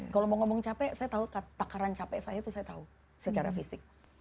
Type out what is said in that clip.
kalau mau ngomong capek saya tahu takaran capek saya itu saya tahu secara fisik